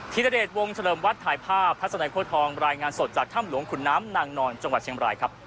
ธิรเดชวงเฉลิมวัดถ่ายภาพทัศนัยโค้ทองรายงานสดจากถ้ำหลวงขุนน้ำนางนอนจังหวัดเชียงบรายครับ